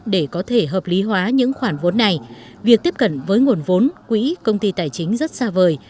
để có thể hợp lý hóa những khoản vốn này việc tiếp cận với nguồn vốn quỹ công ty tài chính rất xa vời